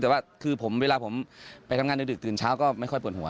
แต่ว่าคือเวลาผมไปทำงานดึกตื่นเช้าก็ไม่ค่อยปวดหัว